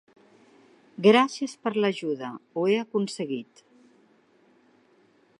Gràcies per l'ajuda, ho he aconseguit!